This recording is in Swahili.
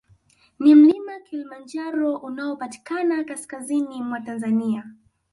Na mlima Kilimanjaro unaopatikana kaskazini mwa Tanzania